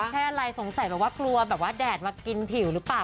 แค่อะไรสงสัยแบบว่ากลัวแบบว่าแดดมากินผิวหรือเปล่า